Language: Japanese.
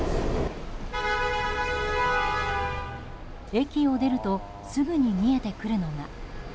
駅を出るとすぐに見えてくるのが。